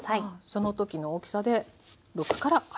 その時の大きさで６から８。